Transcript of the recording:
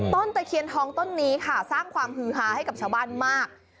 ตะเคียนทองต้นนี้ค่ะสร้างความฮือฮาให้กับชาวบ้านมาก